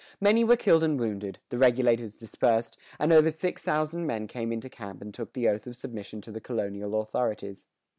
Many were killed and wounded, the Regulators dispersed, and over six thousand men came into camp and took the oath of submission to the colonial authorities.